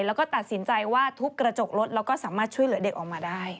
แล้วก็ตัดสินใจว่าทุบกระจกรถแล้วก็สามารถช่วยเหลือเด็กออกมาได้